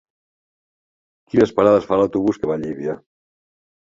Quines parades fa l'autobús que va a Llívia?